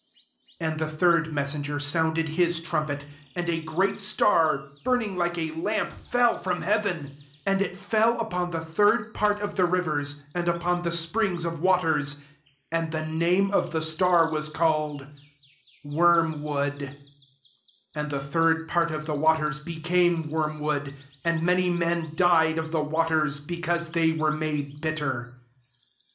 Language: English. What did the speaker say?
10 And the third messenger sounded his trumpet, and i great star, burning like a lamp, fell from heaven; and it fdl upon the third part of the ri vers, and upon tbe springs of waters : 11 and the name of the star was called Wormwood: and the third part of the waters became wormwood ; and many men died of the waters, because they were made bitter.